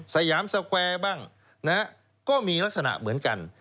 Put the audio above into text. สยามสเวอร์บ้างก็มีลักษณะเหมือนกัน